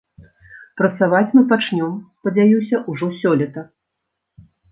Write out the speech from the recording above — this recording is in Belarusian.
Працаваць мы пачнём, спадзяюся, ужо сёлета.